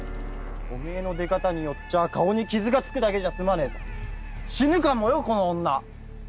オメエの出方によっちゃあ顔に傷がつくだけじゃ済まねえぞ死ぬかもよこの女！